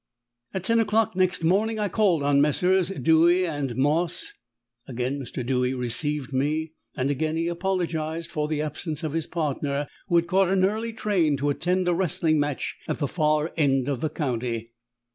At ten o'clock next morning I called on Messrs. Dewy and Moss. Again Mr. Dewy received me, and again he apologised for the absence of his partner, who had caught an early train to attend a wrestling match at the far end of the county.